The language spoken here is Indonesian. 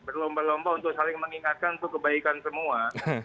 berlomba lomba untuk saling mengingatkan untuk kebaikan semua